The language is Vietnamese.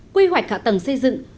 quy hoạch hạ tầng xây dựng